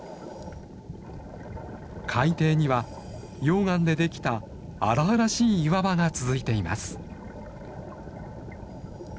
海底には溶岩でできた荒々しい岩場が続いています。